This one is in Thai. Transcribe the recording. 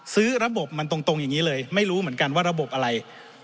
ซื้อระบบมันตรงอย่างนี้เลยไม่รู้เหมือนกันว่าระบบอะไร